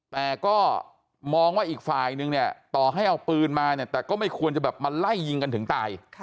แต่ก็มองว่าอีกฝ่ายนึงเนี่ยต่อให้เอาปืนมาเนี่ยแต่ก็ไม่ควรจะแบบมาไล่ยิงกันถึงตาย